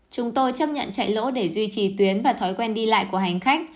chúng tôi chấp nhận chạy lỗ để duy trì tuyến và thói quen đi lại của hành khách